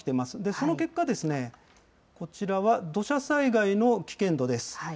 その結果、こちらは土砂災害の危険度です。